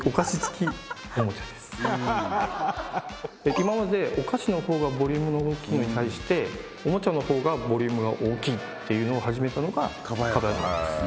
今までお菓子の方がボリュームの大きいのに対しておもちゃの方がボリュームが大きいっていうのを始めたのがカバヤなんです